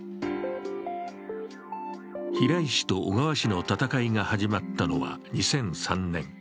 平井氏と小川氏の戦いが始まったのは２００３年。